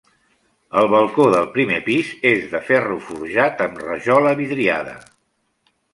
El balcó del primer pis és de ferro forjat amb rajola vidriada.